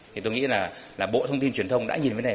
thì tôi nghĩ là bộ thông tin truyền thông đã nhìn với này